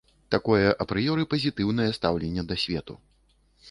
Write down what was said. Такое апрыёры пазітыўнае стаўленне да свету.